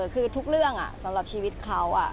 คือทุกเรื่องสำหรับชีวิตเขา